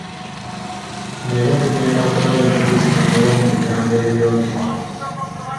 Leero tugenda kulaba empuliziganya ey'omu bigambo ebyogere.